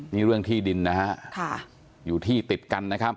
นี่เรื่องที่ดินอยู่ที่ติดกัน